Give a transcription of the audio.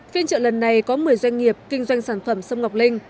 phiên trợ lần này có một mươi doanh nghiệp kinh doanh sản phẩm sâm ngọc linh